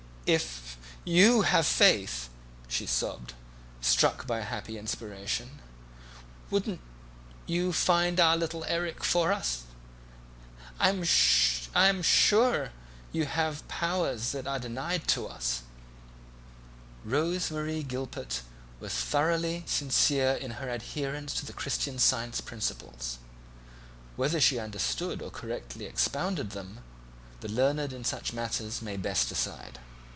"If you have faith," she sobbed, struck by a happy inspiration, "won't you find our little Erik for us? I am sure you have powers that are denied to us." Rose Marie Gilpet was thoroughly sincere in her adherence to Christian Science principles; whether she understood or correctly expounded them the learned in such matters may best decide.